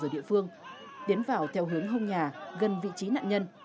ở địa phương tiến vào theo hướng hông nhà gần vị trí nạn nhân